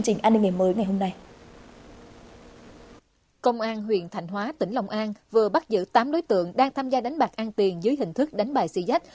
công an huyện thành hóa tỉnh long an vừa bắt giữ tám đối tượng đang tham gia đánh bạc an tiền dưới hình thức đánh bài xị giách